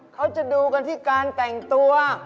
เขาจะดูกันที่การแต่งตัว